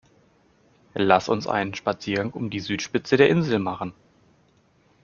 Lass uns einen Spaziergang um die Südspitze der Insel machen!